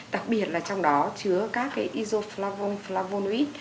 đặc biệt là trong đó chứa các cái isoflavonoid